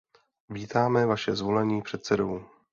Vítáme vaše zvolení předsedou.